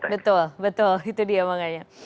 betul betul itu dia makanya